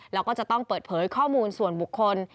แล้วก็จะต้องเปิดเผยข้อมูลส่วนบุคคล